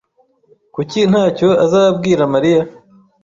[S] Kuki ntacyo azabwira Mariya?